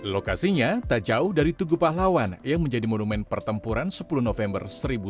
lokasinya tak jauh dari tugu pahlawan yang menjadi monumen pertempuran sepuluh november seribu sembilan ratus empat puluh